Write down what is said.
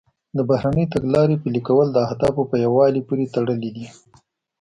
د بهرنۍ تګلارې پلي کول د اهدافو په یووالي پورې تړلي دي